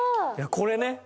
これね。